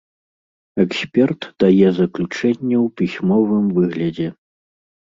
Эксперт дае заключэнне ў пісьмовым выглядзе.